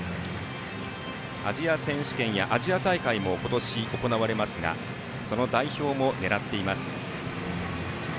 アジア選手権やアジア大会も今年行われますがその代表も狙っています。